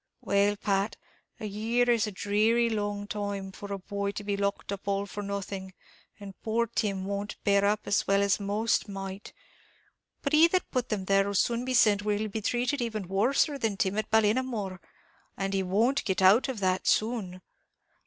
"Well, Pat, a year is a dreary long time for a poor boy to be locked up all for nothing; and poor Tim won't bear up well as most might; but he that put him there will soon be sent where he'll be treated even worser than Tim at Ballinamore; and he won't get out of it that soon.